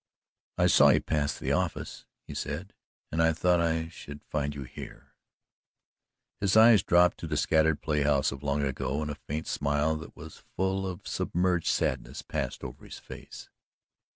"I saw you pass the office," he said, "and I thought I should find you here." His eyes dropped to the scattered playhouse of long ago and a faint smile that was full of submerged sadness passed over his face.